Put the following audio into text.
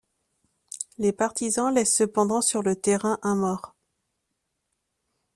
Les partisans laissent cependant sur le terrain un mort.